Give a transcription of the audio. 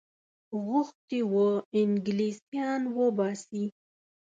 غوښتي وه انګلیسیان وباسي.